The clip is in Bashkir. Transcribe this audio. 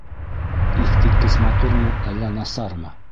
Иҫ киткес матурмы, әллә насармы?..